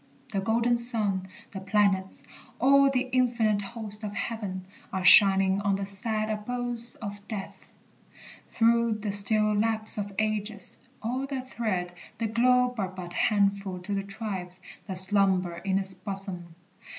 The golden sun, The planets, all the infinite host of heaven, Are shining on the sad abodes of death, Through the still lapse of ages. All that tread The globe are but a handful to the tribes That slumber in its bosom.